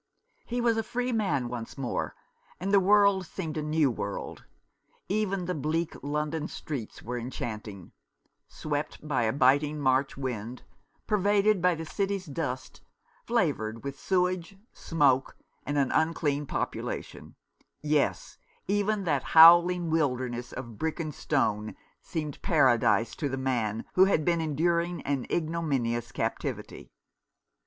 He was a free man once more, and the world seemed a new world. Even the bleak London streets were enchanting ; swept by a biting March wind, pervaded by the City's dirt, flavoured with sewage, smoke, and an unclean population — yes, even that howling wilderness of brick and stone 156 A Death blow. seemed paradise to the man who had been enduring an ignominious captivity.